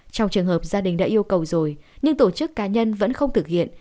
trong trường hợp gia đình đã yêu cầu rồi nhưng tổ chức cá nhân vẫn không thực hiện